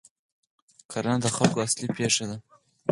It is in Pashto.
کرنه د خلکو اصلي پیشه ده.